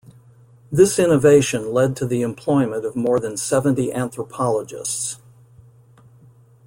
This innovation led to the employment of more than seventy anthropologists.